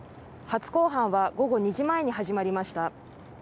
初公判は午後２時前に始まりました。